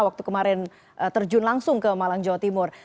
waktu kemarin terjun langsung ke malang jawa timur